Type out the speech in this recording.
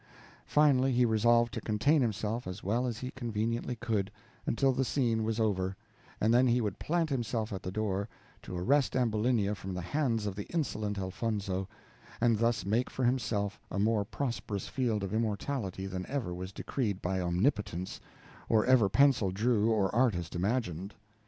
Finally, he resolved to contain himself as well as he conveniently could, until the scene was over, and then he would plant himself at the door, to arrest Ambulinia from the hands of the insolent Elfonzo, and thus make for himself a more prosperous field of immortality than ever was decreed by Omnipotence, or ever pencil drew or artist imagined.